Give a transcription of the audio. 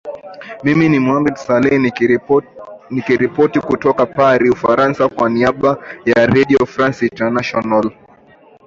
mimi ni mohamed saleh nikiripoti kutoka paris ufaransa kwa niamba ya redio france international